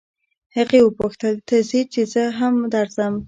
هغې وپوښتل ته ځې چې زه هم درځم.